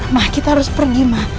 ma kita harus pergi ma